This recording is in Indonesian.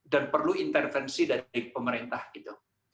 dan perlu intervensi dari pemerintah gitu